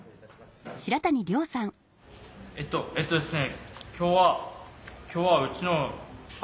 えっとえっとですね